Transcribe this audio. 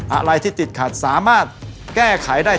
อะไรที่ติดขัดสามารถแก้ไขได้